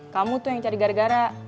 kamu tuh yang cari gara gara